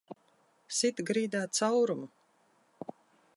Sit grīdā caurumu!